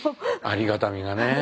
ありがたみがね。